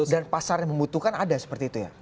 dan pasarnya membutuhkan ada seperti itu ya